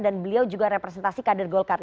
dan beliau juga representasi kader golkar